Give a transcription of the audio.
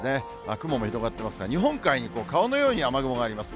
雲も広がってますが、日本海に川のように雨雲があります。